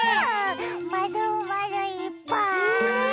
まるまるいっぱい！